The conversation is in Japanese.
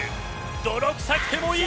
泥臭くてもいい。